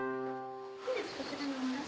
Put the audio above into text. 本日こちらの紫。